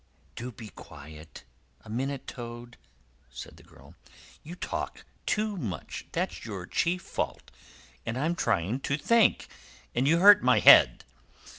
"Do be quiet a minute, Toad," said the girl. "You talk too much, that's your chief fault, and I'm trying to think, and you hurt my head.